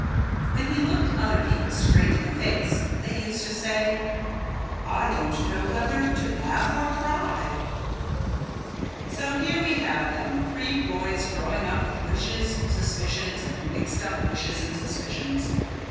When he looked other people straight in the face they used to say, "I don't know whether to laugh or cry." So here we have 'em, three boys growing up with wishes, suspicions and mixed up wishes and suspicions.